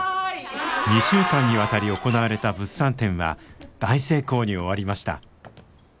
２週間にわたり行われた物産展は大成功に終わりました。